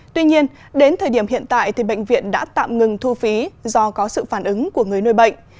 tuy nhiên đến thời điểm hiện tại thì bệnh viện đã tạm ngừng thu phí do có sự phản ứng của người nuôi bệnh